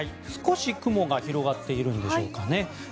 少し雲が広がっているんでしょうかね。